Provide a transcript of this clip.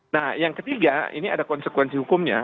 nah yang ketiga ini ada konsekuensi hukumnya